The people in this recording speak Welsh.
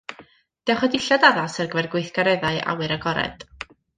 Dewch â dillad addas ar gyfer y gweithgareddau awyr agored